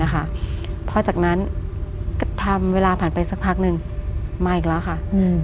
พอจากนั้นก็ทำเวลาผ่านไปสักพักนึงมาอีกแล้วค่ะ